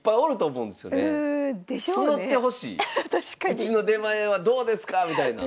うちの出前はどうですかみたいな。